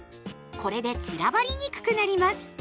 これで散らばりにくくなります。